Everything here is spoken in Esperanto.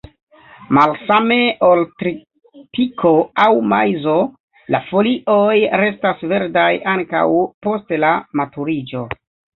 Malsame ol tritiko aŭ maizo, la folioj restas verdaj ankaŭ post la maturiĝo.